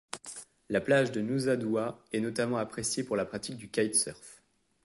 La plage de Nusa Dua est notamment appréciée pour la pratique du kitesurf.